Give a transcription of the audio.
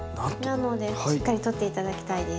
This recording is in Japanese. なのでしっかり取って頂きたいです。